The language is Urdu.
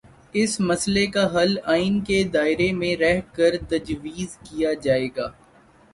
اس مسئلے کا حل آئین کے دائرے میں رہ کرتجویز کیا جائے گا۔